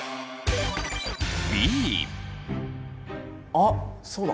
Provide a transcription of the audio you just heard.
あっそうだ